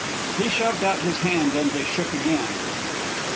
He shoved out his hand and they shook again.